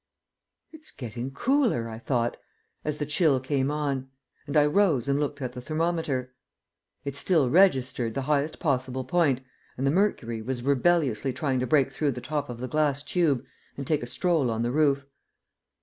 "It is getting cooler," I thought, as the chill came on, and I rose and looked at the thermometer. It still registered the highest possible point, and the mercury was rebelliously trying to break through the top of the glass tube and take a stroll on the roof.